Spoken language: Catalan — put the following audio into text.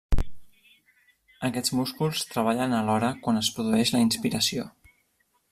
Aquests músculs treballen alhora quan es produeix la inspiració.